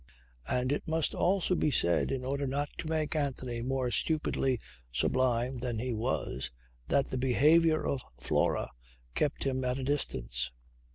And it must also be said, in order not to make Anthony more stupidly sublime than he was, that the behaviour of Flora kept him at a distance.